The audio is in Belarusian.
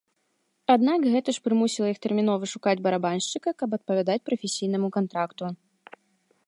Аднак гэта ж прымусіла іх тэрмінова шукаць барабаншчыка, каб адпавядаць прафесійнаму кантракту.